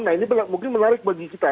nah ini mungkin menarik bagi kita